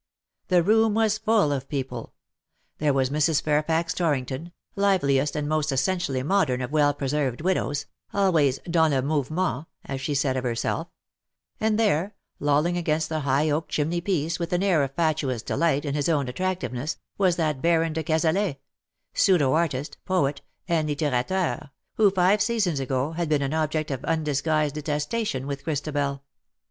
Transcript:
The room was full of people. There was Mrs. Fairfax Torrington^ liveliest and most essentially modern of well preserved widows_, always dans le mouvement, as she said of herself ; and there, lolling against the high oak chimney piece, with an air of fatuous delight in his own attractiveness, was that Baron de Cazalet — ^pseudo artist, poet, and littera teur, who, five seasons ago, had been an object of undisguised detestation with Christabel.